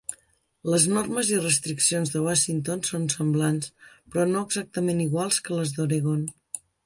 Les normes i restriccions de Washington són semblants, però no exactament iguals, que les d'Oregon.